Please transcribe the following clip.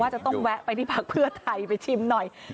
จะต้องแวะไปที่พักเพื่อไทยไปชิมหน่อย